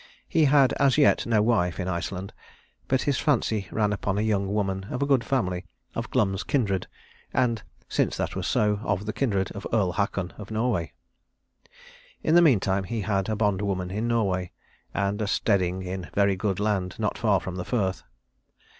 He had as yet no wife in Iceland, but his fancy ran upon a young woman of good family, of Glum's kindred and, since that was so, of the kindred of Earl Haakon, of Norway. In the meantime, he had a bondwoman in Norway, and a steading in very good land not far from the firth.